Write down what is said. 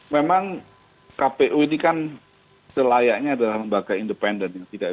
memang kpu ini kan selayaknya adalah lembaga independen yang tidak